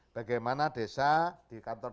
bagaimana desa di kantor